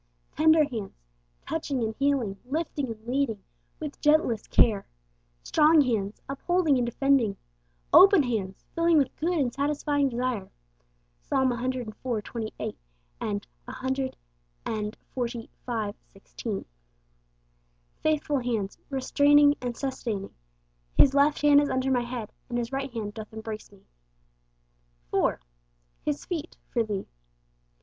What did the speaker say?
Tender hands, touching and healing, lifting and leading with gentlest care. Strong hands, upholding and defending. Open hands, filling with good and satisfying desire (Ps. civ. 28, and cxlv. 16). Faithful hands, restraining and sustaining. 'His left hand is under my head, and His right hand doth embrace me.' 4. His Feet 'for thee.'